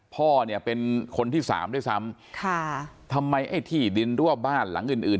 พ่อเนี่ยเป็นคนที่สามด้วยซ้ำค่ะทำไมไอ้ที่ดินรั่วบ้านหลังอื่นอื่น